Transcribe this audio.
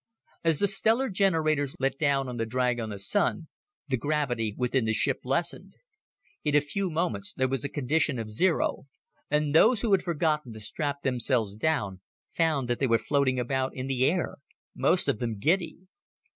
As the stellar generators let down on the drag on the Sun, the gravity within the ship lessened. In a few moments there was a condition of zero, and those who had forgotten to strap themselves down found that they were floating about in the air, most of them giddy.